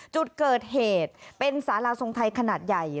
จุดเกิดเหตุเป็นสาราทรงไทยขนาดใหญ่